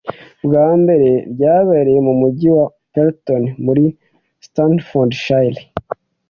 Bwa mbere ryabereye mu Mujyi wa Perton muri Staffordshire